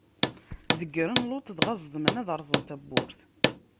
Deggren Luṭ, dɣa ẓedmen ad rẓen tabburt.